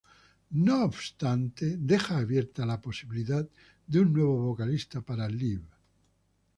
No obstante, deja abierta la posibilidad de un nuevo vocalista para Live.